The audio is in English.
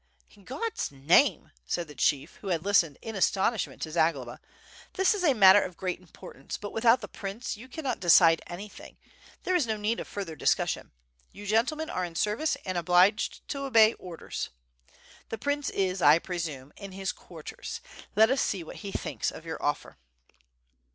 'In God's name!" said the chief, who had listened in as tonishment to Zagloba, "this is a matter of great importance, but without the prince you cannot decide anything. There is no need of further discussion. You gentlemen are in service and obliged to obey orders. The prince is, I presume, in his quarters, let us see what he thinks of your offer."